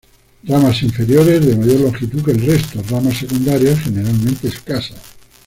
Ramas inferiores de mayor longitud que el resto; ramas secundarias generalmente escasas.